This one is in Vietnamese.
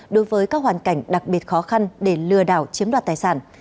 đối với các hoàn cảnh đặc biệt khó khăn để lừa đảo chiếm đoạt tài sản